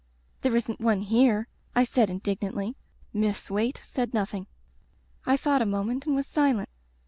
'* "There isn't one here," I said indignantly. Miss Waite said nothing. I thought a moment and was silent.